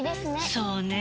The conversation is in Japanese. そうねぇ。